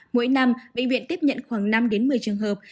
mỗi năm bệnh viện tiếp nhận khoảng năm một mươi trường hợp